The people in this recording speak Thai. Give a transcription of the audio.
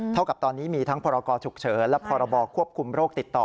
เท่ากับตอนนี้มีทั้งพรกรฉุกเฉินและพรบควบคุมโรคติดต่อ